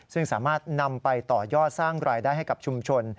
ซึ่งสามารถนำไปต่อยอดสร้างรายได้ให้กับชุมชน